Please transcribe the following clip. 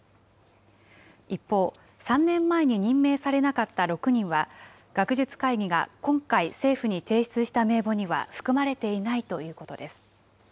一方、３年前に任命されなかった６人は、学術会議が今回、政府に提出した名簿には含まれていないということです。